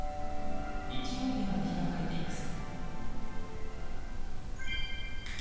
日曜日まで開かれています。